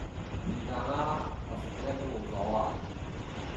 是但啦！我食咩都無所謂